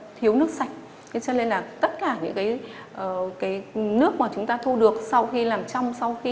thiếu nước sạch cho nên là tất cả những cái nước mà chúng ta thu được sau khi làm trong sau khi